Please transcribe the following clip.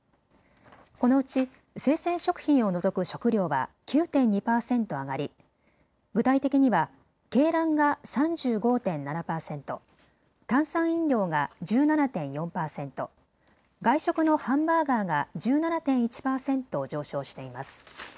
このうち生鮮食品を除く食料は９．２％上がり具体的には鶏卵が３５．７％、炭酸飲料が１７．４％、外食のハンバーガーが１７．１％上昇しています。